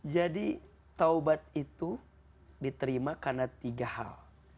jadi taubat itu diterima karena tiga hal